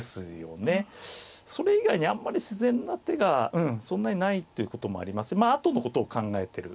それ以外にあんまり自然な手がそんなにないっていうこともありますしあとのことを考えてる。